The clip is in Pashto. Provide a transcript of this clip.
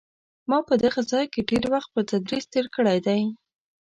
ما په دغه ځای کې ډېر وخت په تدریس تېر کړی دی.